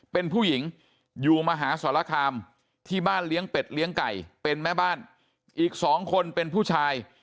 เป็นผู้หญิงอยู่มหาสรคามที่บ้านเลี้ยงเป็ดเลี้ยงไก่เป็นแม่บ้านอีกสองคนเป็นผู้ชาย